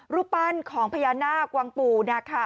รูปปั้นของพญานาควังปู่